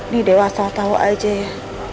nih dewa salah tau aja ya